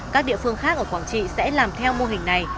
các địa phương khác ở quảng trị sẽ làm theo mô hình này